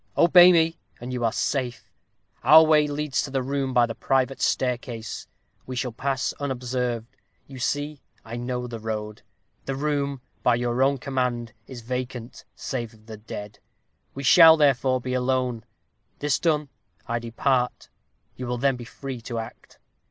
Obey me, and you are safe. Our way leads to the room by the private staircase we shall pass unobserved you see I know the road. The room, by your own command, is vacant save of the dead. We shall, therefore, be alone. This done, I depart. You will then be free to act.